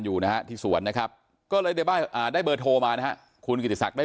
อยู่นะฮะที่สวนนะครับก็เลยได้เบอร์โทรมานะฮะคุณกิติศักดิ์ได้